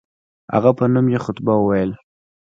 هغه په نوم یې خطبه وویل.